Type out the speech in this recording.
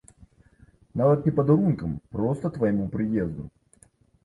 Нават не падарункам, проста твайму прыезду.